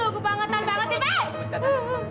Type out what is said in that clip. ah lu kupangetan banget sih pak